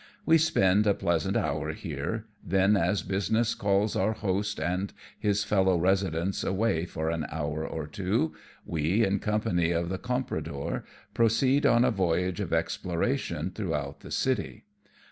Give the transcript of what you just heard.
We spend a pleasant hour here, then as business calls our host and his fellow residents away for an hour or two, we, in company of the compradore, proceed on a voyage of exploration throughout the city.